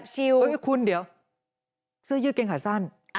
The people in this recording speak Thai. เสื้อยืดกางเกงขาสั้น